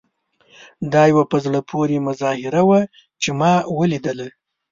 دا یوه په زړه پورې مظاهره وه چې ما ولیدله.